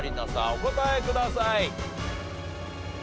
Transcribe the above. お答えください。